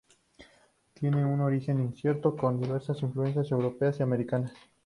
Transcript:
Tiene un origen incierto, con diversas influencias europeas y americanas.